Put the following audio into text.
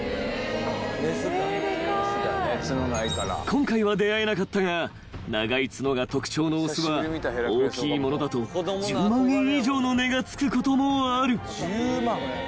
［今回は出合えなかったが長い角が特徴の雄は大きいものだと１０万円以上の値が付くこともある］